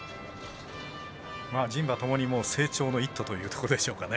人馬ともに成長の一途というところでしょうかね。